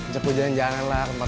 cepet jalan jalan lah kemana mana